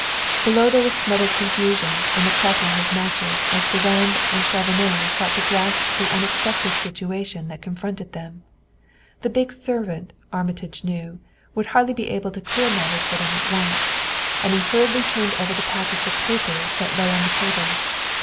Below there was smothered confusion and the crackling of matches as Durand and Chauvenet sought to grasp the unexpected situation that confronted them. The big servant, Armitage knew, would hardly be able to clear matters for them at once, and he hurriedly turned over the packets of papers that lay on the table.